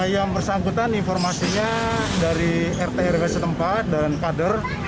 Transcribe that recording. yang bersangkutan informasinya dari rtrk setempat dan kader